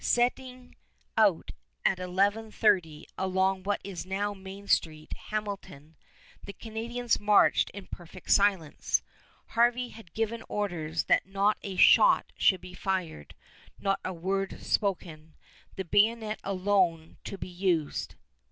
Setting out at 11.30 along what is now Main Street, Hamilton, the Canadians marched in perfect silence. Harvey had given orders that not a shot should be fired, not a word spoken, the bayonet alone to be used.